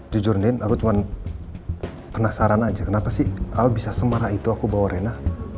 jujur nen aku cuma penasaran aja kenapa sih al bisa semarah itu aku bawa rena